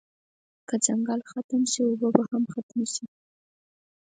که ځنګلونه ختم شی اوبه به هم ختمی شی